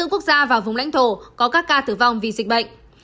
tám mươi bốn quốc gia và vùng lãnh thổ có các ca tử vong vì dịch bệnh